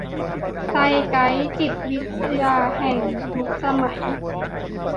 ไซท์ไกสท์ - จิตวิญญาณแห่งยุคสมัย